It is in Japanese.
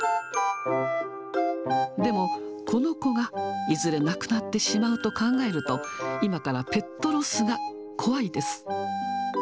でも、この子がいずれ亡くなってしまうと考えると、今からペットロスが怖いです。